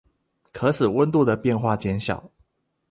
可使溫度的變化減小